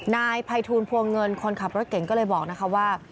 นายภัยทูลพวงเงินคนขับรถเก่งก็เลยบอกนะคะว่า